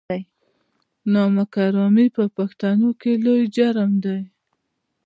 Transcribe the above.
نمک حرامي په پښتنو کې لوی جرم دی.